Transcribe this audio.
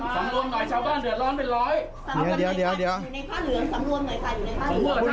สำรวมหน่อยสำรวมหน่อยชาวบ้านเดือดร้อนเป็นร้อย